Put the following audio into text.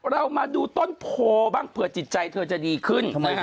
เรามาดูต้นโพบ้างเผื่อจิตใจเธอจะดีขึ้น